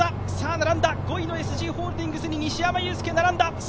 並んだ、５位のＳＧホールディングスに西山雄介、並んだ。